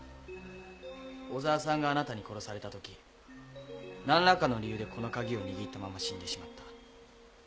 小沢さんがあなたに殺された時何らかの理由でこの鍵を握ったまま死んでしまった。